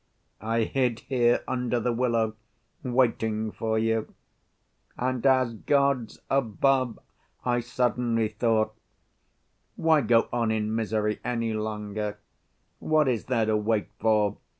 I hid here under the willow waiting for you. And as God's above, I suddenly thought, why go on in misery any longer, what is there to wait for?